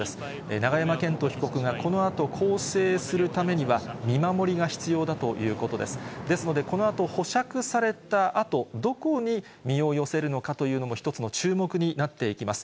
永山絢斗被告がこのあと更生するためには、見守りが必要だということです。ですので、このあと保釈されたあと、どこに身を寄せるのかというのも一つの注目になっていきます。